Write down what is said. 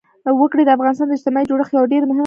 وګړي د افغانستان د اجتماعي جوړښت یوه ډېره مهمه برخه ده.